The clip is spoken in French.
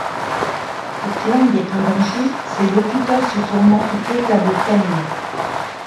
Cette langue est en danger, ses locuteurs se tournant plutôt vers le temne.